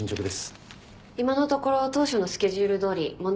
今のところ当初のスケジュールどおり問題なく進んでいます。